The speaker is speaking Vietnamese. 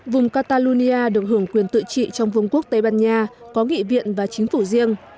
vùng catalonia được hưởng quyền tự trị trong vùng quốc tây ban nha có nghị viện và chính phủ riêng